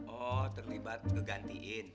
oh terlibat ngegantiin